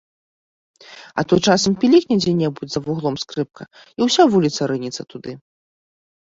А то часам пілікне дзе-небудзь за вуглом скрыпка, і ўся вуліца рынецца туды.